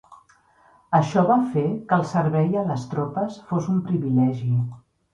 Això va fer que el servei a les tropes fos un privilegi.